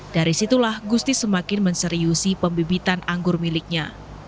dari situlah gusti semakin menseriusi pembibitan anggur miliknya